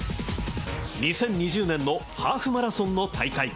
２０２０年のハーフマラソンの大会。